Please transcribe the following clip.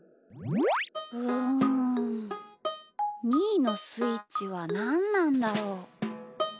うんみーのスイッチはなんなんだろう？